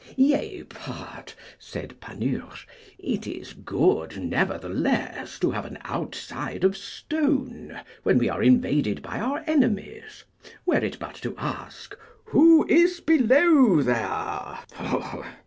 Yea but, said Panurge, it is good, nevertheless, to have an outside of stone when we are invaded by our enemies, were it but to ask, Who is below there?